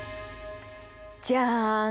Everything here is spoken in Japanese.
じゃん！